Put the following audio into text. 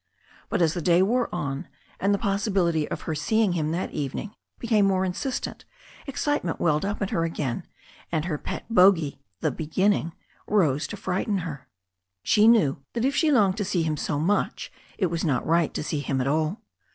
But as the day wore on, and the possibility of her seeing him that evening became more insistent, excitement welled up in her again, and her pet bogy, the beginning, arose to frighten her. She knew thai if she longed to see him so much it was not right to see him at all.